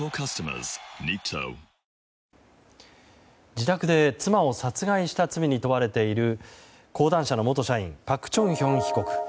自宅で妻を殺害した罪に問われている講談社の元社員パク・チョンヒョン被告。